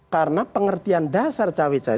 karena pengertian dasar cawi cawi